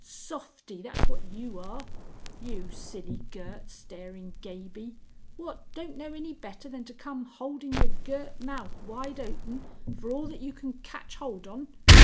_ Softie that's what you are! You silly girt staring Gaby, what don't know any better than to come holding yer girt mouth wide open for all that you can catch holt on?